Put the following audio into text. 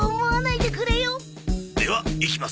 ではいきます。